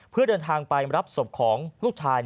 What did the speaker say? เพื่อเดินทางไปรับศพของลูกชาย